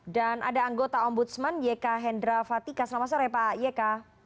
dan ada anggota ombudsman yk hendra fatika selamat sore pak yk